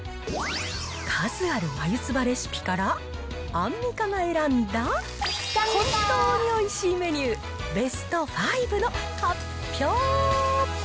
数ある眉唾レシピから、アンミカが選んだ本当においしいメニューベスト５の発表！